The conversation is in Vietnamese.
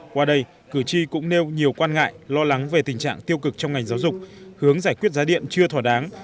qua đây cử tri cũng nêu nhiều quan ngại lo lắng về tình trạng tiêu cực trong ngành giáo dục hướng giải quyết giá điện chưa thỏa đáng